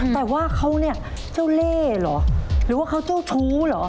แต่ว่าเขาเนี่ยเจ้าเล่เหรอหรือว่าเขาเจ้าชู้เหรอ